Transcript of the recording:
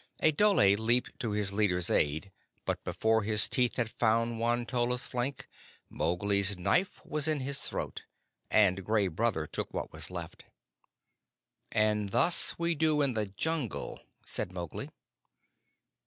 A dhole leaped to his leader's aid; but before his teeth had found Won tolla's flank, Mowgli's knife was in his throat, and Gray Brother took what was left. "And thus do we do in the Jungle," said Mowgli.